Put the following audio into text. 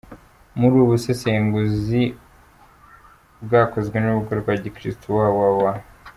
Muri ubu busesenguzi bwakozwe n’urubuga rwa gikristo www.